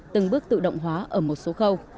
từng bước tự động hóa ở một số khâu